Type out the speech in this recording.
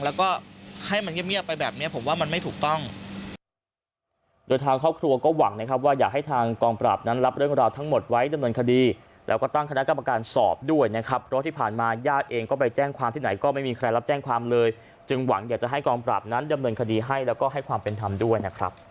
แล้วก็ให้มันเงียบไปแบบนี้ผมว่ามันไม่ถูกต้อง